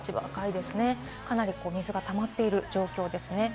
かなり水がたまっている状況ですね。